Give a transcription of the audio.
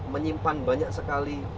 menyimpan banyak sekali